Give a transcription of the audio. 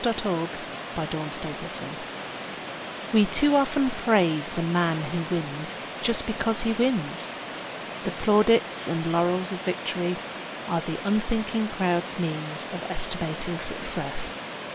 _ TO THOSE WHO FAIL We too often praise the man who wins just because he wins; the plaudits and laurels of victory are the unthinking crowd's means of estimating success.